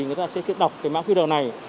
người ta sẽ đọc mã qr này